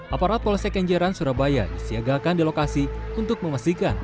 aparat polsek kenjeran surabaya disiagakan di lokasi untuk memastikan